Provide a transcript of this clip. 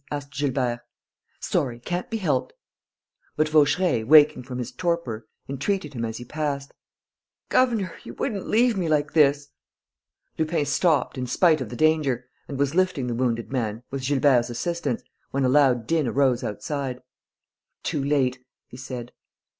asked Gilbert. "Sorry, can't be helped!" But Vaucheray, waking from his torpor, entreated him as he passed: "Governor, you wouldn't leave me like this!" Lupin stopped, in spite of the danger, and was lifting the wounded man, with Gilbert's assistance, when a loud din arose outside: "Too late!" he said.